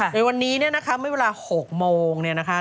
โดยวันนี้เนี่ยนะคะเมื่อเวลา๖โมงเนี่ยนะคะ